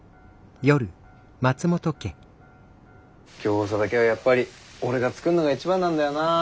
餃子だけはやっぱり俺が作るのが一番なんだよなあ。